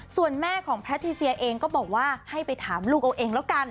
ส่วนแม่ของแพทิเซียเองก็บอกว่าให้ไปถามลูกเอาเองแล้วกัน